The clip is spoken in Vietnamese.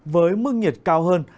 với mức nhiệt cao hơn